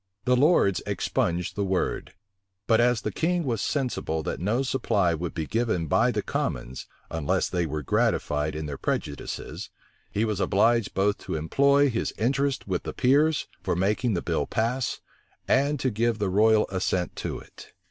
The lords expunged the word; but as the king was sensible that no supply would be given by the commons, unless they were gratified in their prejudices, he was obliged both to employ his interest with the peers for making the bill pass, and to give the royal assent to it.